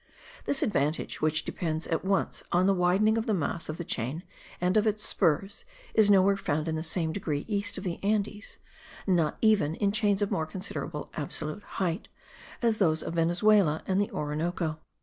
This advantage, which depends at once on the widening of the mass of the chain and of its spurs, is nowhere found in the same degree east of the Andes, not even in chains of more considerable absolute height, as those of Venezuela and the Orinoco.